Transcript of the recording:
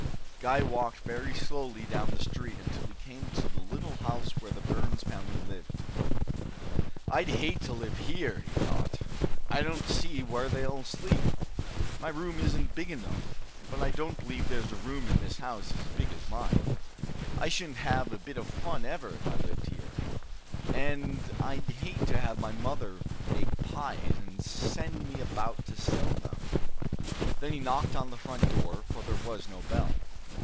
Guy walked very slowly down the street until he came to the little house where the Burns family lived. "I'd hate to live here," he thought. "I don't see where they all sleep. My room isn't big enough, but I don't believe there's a room in this house as big as mine. I shouldn't have a bit of fun, ever, if I lived here. And I'd hate to have my mother make pies and send me about to sell them." Then he knocked on the front door, for there was no bell.